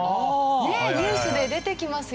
ニュースで出てきますよね。